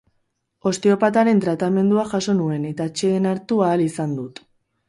Osteopataren tratamendua jaso nuen eta atseden hartu ahal izan dut.